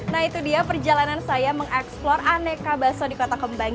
nah itu dia perjalanan saya mengeksplor aneka baso di kota kembang